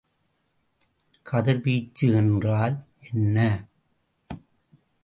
கதிர் வீச்சு என்றால் என்ன?